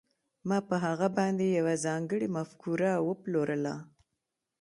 ما په هغه باندې یوه ځانګړې مفکوره وپلورله